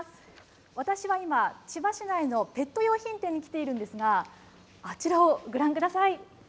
私は今、千葉市内のペット用品店に来ているんですが、あちらをご覧ください。